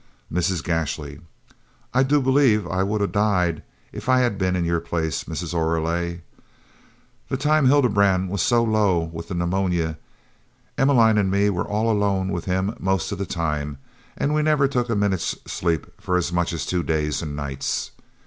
Mrs. Gashly "I do believe I should a died if I had been in your place, Mrs. Oreille. The time Hildebrand was so low with the pneumonia Emmeline and me were all alone with him most of the time and we never took a minute's sleep for as much as two days and nights.